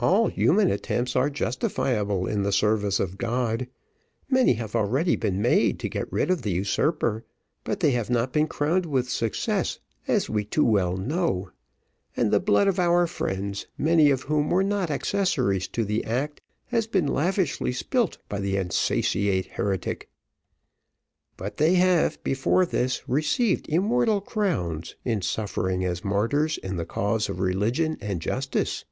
All human attempts are justifiable in the service of God. Many have already been made to get rid of the usurper, but they have not been crowned with success, as we too well know; and the blood of our friends, many of whom were not accessories to the act, has been lavishly spilt by the insatiate heretic. "But they have, before this, received immortal crowns, in suffering as martyrs in the cause of religion and justice.